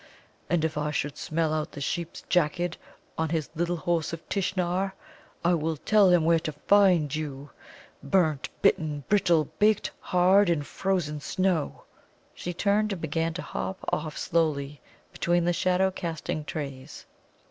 And if I should smell out the Sheep's jacket on his Little Horse of Tishnar, I will tell him where to find you burnt, bitten, brittle, baked hard in frozen snow!" She turned and began to hop off slowly between the shadow casting trees.